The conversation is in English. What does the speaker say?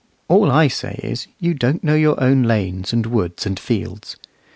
All I say is, you don't know your own lanes and woods and fields.